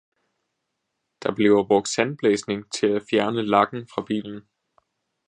Der bliver brugt sandblæsning til at fjerne lakken fra bilen.